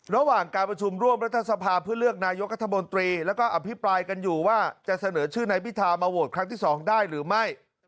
ระหว่างการประชุมร่วมรัฐสภาเพื่อเลือกนายกัธมนตรีแล้วก็อภิปรายกันอยู่ว่าจะเสนอชื่อนายพิธามาโหวตครั้งที่๒ได้หรือไม่